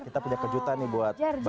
kita punya kejutan nih buat mbak atik sibi